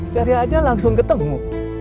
sehari aja langsung ketemu